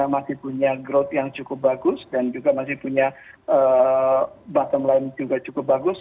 masih punya growth yang cukup bagus dan juga masih punya bottom line juga cukup bagus